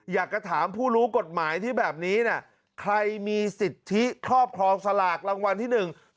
อยากจะถามผู้รู้กฎหมายที่แบบนี้น่ะใครมีสิทธิครอบครองสลากรางวัลที่หนึ่ง